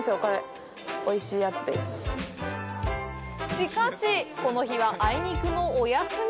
しかし、この日はあいにくのお休み。